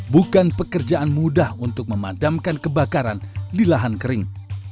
bukan pekerjaan mudah untuk memadamkan kebakaran di lahan kering